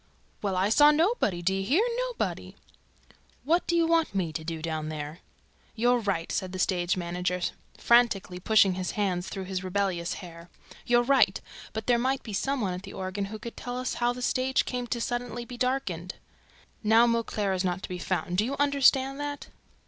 "Well, I saw nobody! Do you hear nobody!" "What do you want me to do down there for?" "You're right!" said the stage manager, frantically pushing his hands through his rebellious hair. "You're right! But there might be some one at the organ who could tell us how the stage came to be suddenly darkened. Now Mauclair is nowhere to be found. Do you understand that?"